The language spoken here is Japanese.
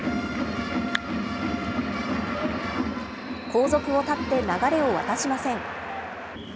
後続を断って流れを渡しません。